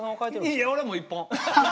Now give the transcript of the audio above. いやいや俺はもう一本。